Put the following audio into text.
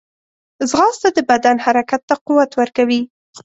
ځغاسته د بدن حرکت ته قوت ورکوي